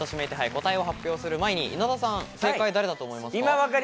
答えを発表する前に稲田さん、正解は誰だと思いますか？